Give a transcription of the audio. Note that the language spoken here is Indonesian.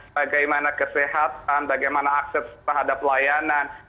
bagaimana kesehatan bagaimana akses terhadap layanan